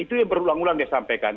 itu yang berulang ulang disampaikan